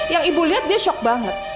yang ibu lihat dia shock banget